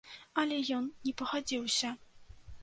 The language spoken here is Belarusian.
Але ён не пагадзіўся.